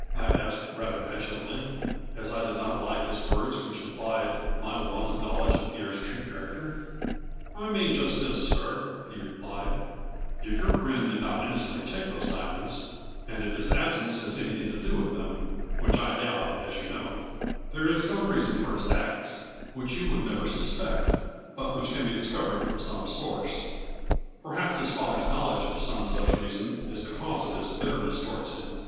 " I asked, rather petulantly, as I did not like his words which implied my want of knowledge of Pierre's true character. " I mean just this, sir," he replied, " if your friend did not innocently take those diamonds, and if his absence has anything to do with them, (which I doubt as you know) there is some rea son for his acts which you would never suspect, but which can be discovered from some source. A FLXTBET IN DIAMONDS. 167 Perhaps his father's knowledge of some such reason is the cause of his bitterness towards him.